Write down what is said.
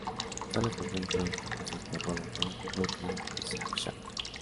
Todas las canciones fueron compuestas por Robert John "Mutt" Lange y Shania.